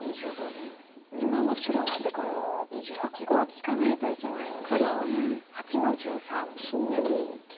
今の白のアテコミもここは利かないといけないんですね。